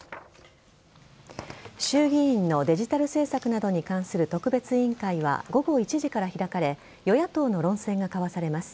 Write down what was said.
衆議院のデジタル政策などに関する特別委員会は午後１時から開かれ与野党の論戦が交わされます。